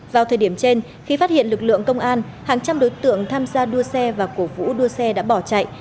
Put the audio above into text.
vào thời điểm trên khi phát hiện lực lượng công an hàng trăm đối tượng tham gia đua xe và cổ vũ đua xe đã bỏ chạy